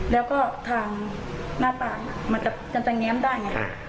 แล้วก็ทางหน้าตามันจะจังใจแง้มได้ไงครับ